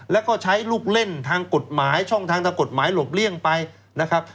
แล้วก็ใช้ลูกเล่นทางกฎหมายช่องทางทางกฎหมายหลบเลี่ยงไปนะครับ